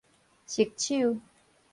熟手